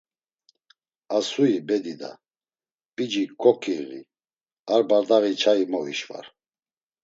A suyi be dida! P̌ici koǩiği! Ar bardaği çayi movişvar.